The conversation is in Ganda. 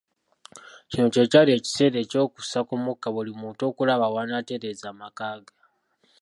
Kino kye kyali ekiseera eky'okussa ku mukka buli muntu okulaba w'anaatereeza amaka ge.